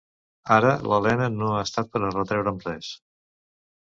Ara, l'Elena no ha estat per a retraure'm res.